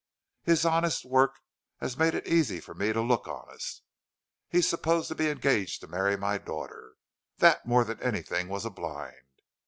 His honest work has made it easy for me to look honest. He's supposed to be engaged to marry my daughter. That more than anything was a blind.